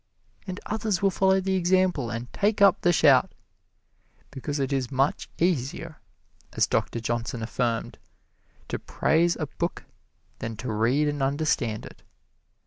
And others will follow the example and take up the shout, because it is much easier, as Doctor Johnson affirmed, to praise a book than to read and understand it.